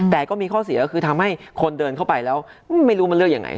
แต่ก็มีข้อเสียคือทำให้คนเดินเข้าไปแล้วไม่รู้มันเลือกยังไง